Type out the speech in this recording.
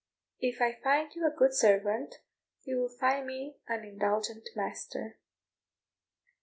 If I find you a good servant, you will find me an indulgent master."